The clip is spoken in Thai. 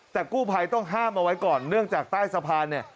แต่กู้ภัยต้องห้ามเอาไว้ก่อนเนื่องจากใต้สะพานเนี่ย